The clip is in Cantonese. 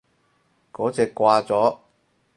嗰隻掛咗